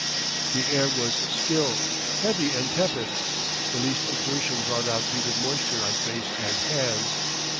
The air was still, heavy and tepid; the least exertion brought out beaded moisture on face and hands.